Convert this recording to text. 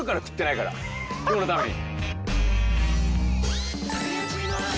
今日のために。